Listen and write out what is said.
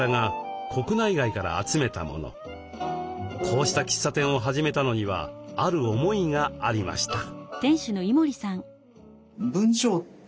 こうした喫茶店を始めたのにはある思いがありました。